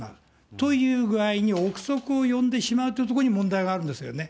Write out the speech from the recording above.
という具合に、臆測を呼んでしまうところに問題があるんですよね。